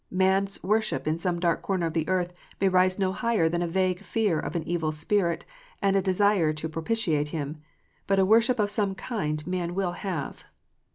Man s worship in some dark corner of the earth may rise no higher than a vague fear of an evil spirit, and a desire to pro pitiate him ; but a worship of some kind man will have.